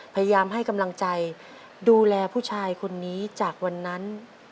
พยายามให้กำลังใจดูแลผู้ชายคนนี้จากวันนั้น